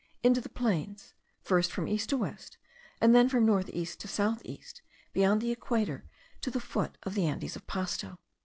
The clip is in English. into the plains, first from east to west, and then from north east to south east beyond the Equator, to the foot of the Andes of Pasto.